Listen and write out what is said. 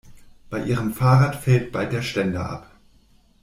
Bei ihrem Fahrrad fällt bald der Ständer ab.